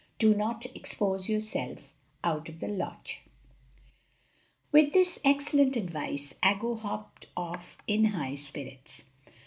Do not expose yourself out of the lodge." With this excellent advice, Aggo hopped off in high spirits.